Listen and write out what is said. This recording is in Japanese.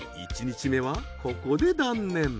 １日目はここで断念。